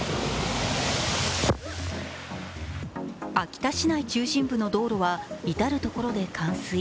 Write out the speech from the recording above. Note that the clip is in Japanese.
秋田市内中心部の道路は至る所で冠水。